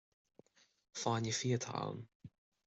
Fáinne fí atá ann.